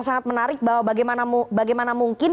sangat menarik bahwa bagaimana mungkin